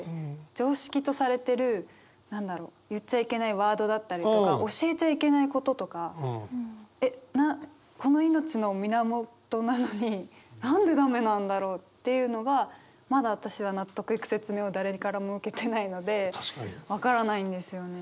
常識とされてる何だろう言っちゃいけないワードだったりとか教えちゃいけないこととかえっこの命の源なのになんでダメなんだろうっていうのがまだ私は納得いく説明を誰からも受けてないので分からないんですよね。